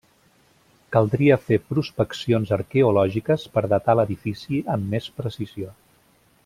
Caldria fer prospeccions arqueològiques per datar l'edifici amb més precisió.